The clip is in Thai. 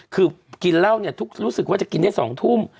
คือกินเหล้ารู้สึกจะกินที่สองทุ่ม